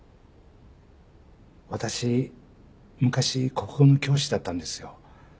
私昔国語の教師だったんですよ。